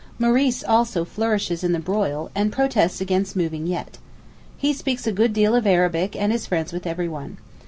Maurice also flourishes in the broil, and protests against moving yet. He speaks a good deal of Arabic and is friends with everyone.